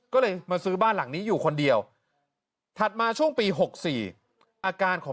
ก็เลยมาซื้อบ้านหลังนี้อยู่คนเดียวถัดมาช่วงปี๖๔อาการของ